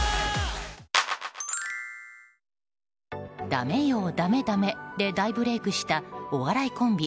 ダメよダメダメで大ブレークしたお笑いコンビ